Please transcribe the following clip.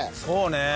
そうね。